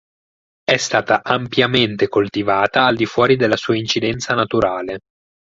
È stata ampiamente coltivata al di fuori della sua incidenza naturale.